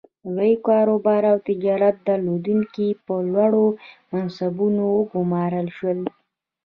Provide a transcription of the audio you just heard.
لوی کاروبار او تجارت درلودونکي په لوړو منصبونو وګومارل شول.